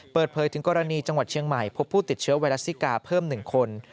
เปิดเผยถึงกรณีจังหวัดเชียงใหม่พบผู้ติดเชื้อไวรัสซิกาเพิ่ม๑คน